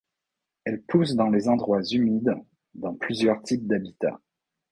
Elle pousse dans les endroits humides dans plusieurs types d'habitats.